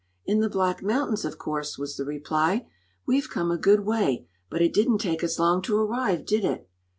"In the Black Mountains, of course," was the reply. "We've come a good way, but it didn't take us long to arrive, did it?"